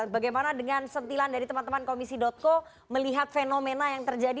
bagaimana dengan sentilan dari teman teman komisi co melihat fenomena yang terjadi